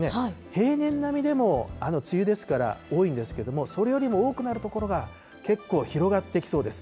平年並みでも梅雨ですから多いんですけれども、それよりも多くなる所が結構広がってきそうです。